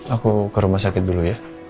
aku ke rumah sakit dulu ya